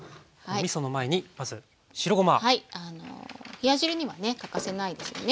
冷や汁にはね欠かせないですよね。